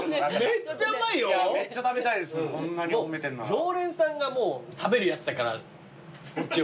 常連さんがもう食べるやつだからこっちは。